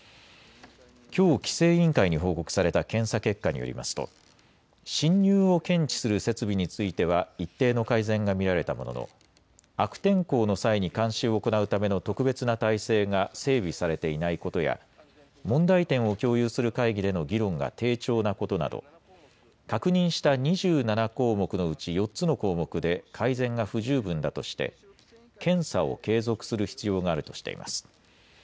きょう規制委員会に報告された検査結果によりますと侵入を検知する設備については一定の改善が見られたものの悪天候の際に監視を行うための特別な体制が整備されていないことや問題点を共有する会議での議論が低調なことなど確認した２７項目のうち４つの項目で改善が不十分だとして検査を継続する必要があるとしています。